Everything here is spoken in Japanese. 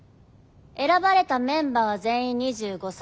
選ばれたメンバーは全員２５才以下。